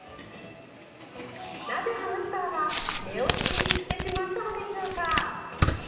なぜ、ハムスターは寝落ちしてしまったのでしょう。